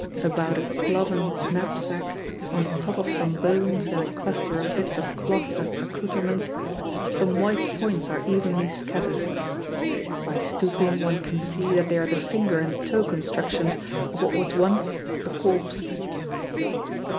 About a cloven knapsack, on the top of some bones and a cluster of bits of cloth and accouterments, some white points are evenly scattered; by stooping one can see that they are the finger and toe constructions of what was once a corpse.